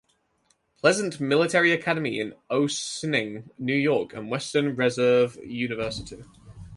Pleasant Military Academy in Ossining, New York and Western Reserve University.